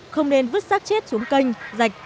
không nên vứt sát chết xuống canh dạch